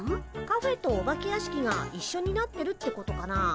カフェとお化け屋敷が一緒になってるってことかな？